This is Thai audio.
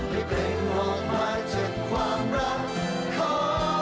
ให้เพลงออกมาเท่าความรักของ